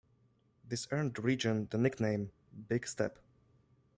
This earned the region the nickname "Big Step".